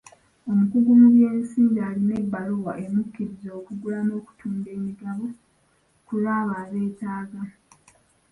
Omukugu mu by'ensimbi alina ebbaluwa emukkiriza okugula n'okutunda emigabo ku lw'abo abeetaaga.